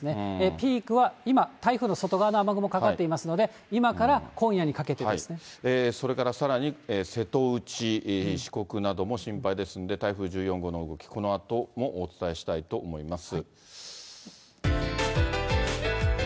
ピークは今、台風の外側の雨雲かかっていますので、それからさらに瀬戸内、四国なども心配ですので、台風１４号の動き、このあともお伝えしたいと思います。